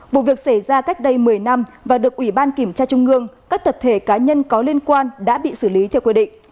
vụ việc xảy ra cách đây một mươi năm và được ủy ban kiểm tra trung ương các tập thể cá nhân có liên quan đã bị xử lý theo quy định